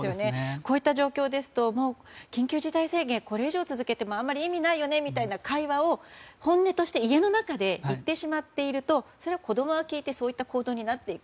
こういった状況ですと緊急事態宣言、これ以上続けてもあんまり意味ないよねという会話を本音として家の中で言ってしまっているとそれを子供が聞いて行動になっていく。